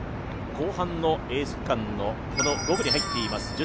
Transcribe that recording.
後半のエース区間の５区に入っています。